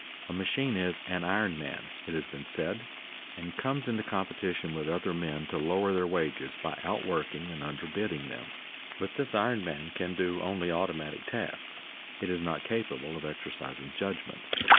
A machine is "an iron man," it has been said, and comes into competition with other men to lower their wages by outworking and underbidding them. But this iron man can do only automatic tasks; it is not capable of exercising judgment.